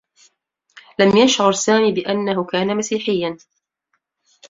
لم يشعر سامي بأنّه كان مسيحيّا.